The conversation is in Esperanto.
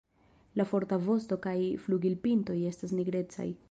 La forta vosto kaj flugilpintoj estas nigrecaj.